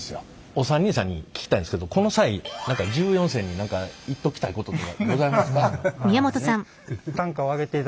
お三人さんに聞きたいんですけどこの際１４世に何か言っときたいこととかございますか？